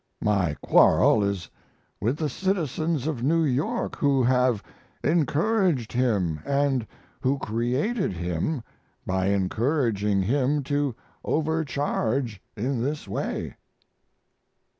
My quarrel is with the citizens of New York, who have encouraged him, and who created him by encouraging him to overcharge in this way."